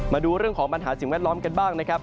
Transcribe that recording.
มาดูเรื่องของปัญหาสิ่งแวดล้อมกันบ้างนะครับ